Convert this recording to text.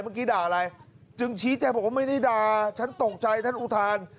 เมื่อกี้ด่าอะไรจึงชี้แจงบอกว่าไม่ได้ด่าฉันตกใจฉันอุทาน